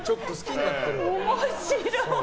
面白い！